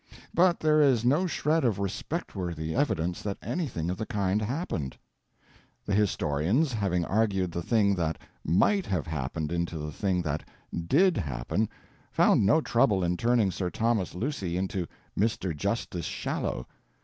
But there is no shred of respectworthy evidence that anything of the kind happened. The historians, having argued the thing that might have happened into the thing that did happen, found no trouble in turning Sir Thomas Lucy into Mr. Justice Shallow.